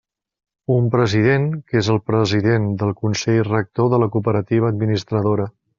Un president, que és el president del consell rector de la cooperativa administradora.